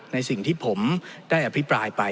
ในสิ่งที่ผมได้อภิปรายไป